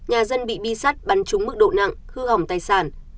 nhà dân bị bi sắt bắn trúng mức độ nặng hư hỏng tài sản